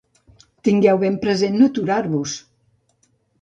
Tingueu ben present no aturar-vos.